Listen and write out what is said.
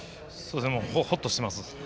ほっとしています。